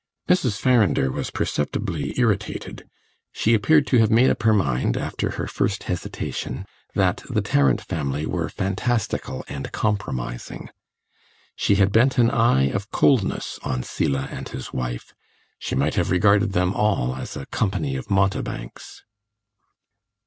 Mrs. Farrinder was perceptibly irritated; she appeared to have made up her mind, after her first hesitation, that the Tarrant family were fantastical and compromising. She had bent an eye of coldness on Selah and his wife she might have regarded them all as a company of mountebanks.